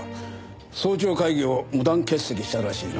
早朝会議を無断欠席したらしいな。